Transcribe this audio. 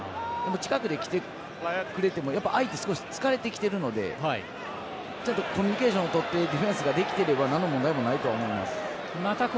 近くできてくれても相手、少し疲れてきてるのでコミュニケーションをとってディフェンスができていればなんの問題もないと思います。